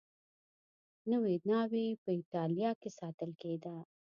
نوې ناوې په اېټالیا کې ساتل کېده